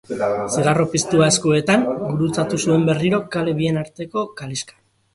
Zigarro piztua eskuetan gurutzatu zuen berriro kale bien arteko kalexka.